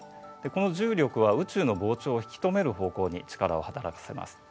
この重力は宇宙の膨張を引き止める方向に力を働かせます。